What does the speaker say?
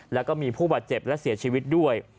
แล้วก็มีผู้บาดเจ็บและเสียชีวิตด้วย